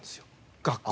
学校。